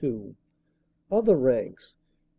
$, OTHER RANKS K.